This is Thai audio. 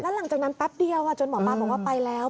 หลังจากนั้นแป๊บเดียวจนหมอปลาบอกว่าไปแล้ว